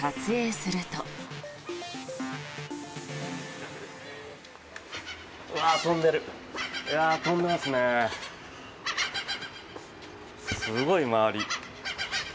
すごい周り。